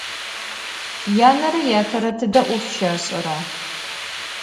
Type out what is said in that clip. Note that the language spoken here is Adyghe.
Yanere yatere tıde 'of şaş'era?